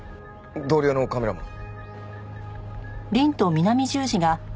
同僚のカメラマン。